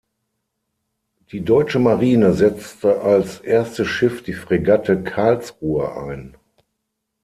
Die Deutsche Marine setzte als erstes Schiff die Fregatte "Karlsruhe" ein.